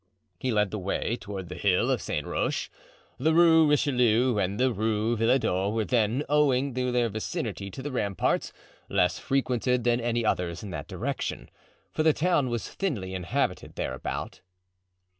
He led the way toward the hill of Saint Roche. The Rue Richelieu and the Rue Villedot were then, owing to their vicinity to the ramparts, less frequented than any others in that direction, for the town was thinly inhabited thereabout.